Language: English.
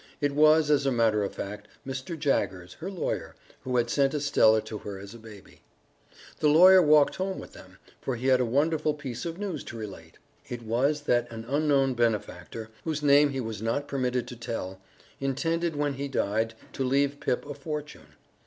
It was, as a matter of fact, Mr. Jaggers, her lawyer, who had sent Estella to her as a baby. The lawyer walked home with them, for he had a wonderful piece of news to relate. It was that an unknown benefactor, whose name he was not permitted to tell, intended when he died to leave Pip a fortune.